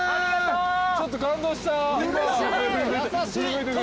・ちょっと感動した。